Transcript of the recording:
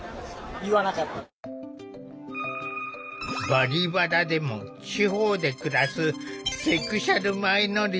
「バリバラ」でも地方で暮らすセクシュアルマイノリティー